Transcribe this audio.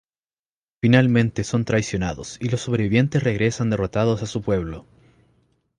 Finalmente son traicionados y los sobrevivientes regresan derrotados a su pueblo.